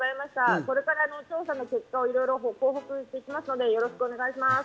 これから調査の結果を報告していくので、よろしくお願いします。